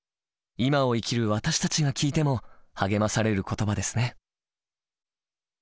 今を生きる私たちが聞いても励まされる言葉ですね。